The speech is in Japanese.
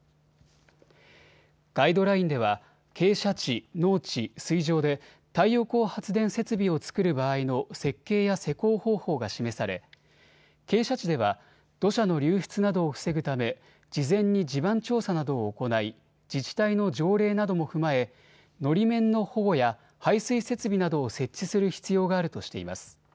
ガイドラインでは傾斜地、農地水上で太陽光発電設備を作る場合の設計や施工方法が示され傾斜地では土砂の流出などを防ぐため事前に地盤調査などを行い自治体の条例なども踏まえのり面の保護や排水設備などを設置する必要があるとしています。